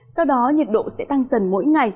sau đó nhiệt độ sẽ tăng dần mỗi ngày